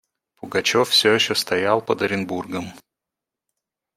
Пугачев все еще стоял под Оренбургом.